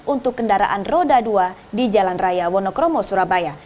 untuk kendaraan roda dua di jalan raya wonokromo surabaya